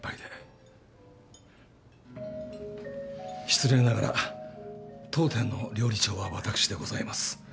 失礼ながら当店の料理長は私でございます。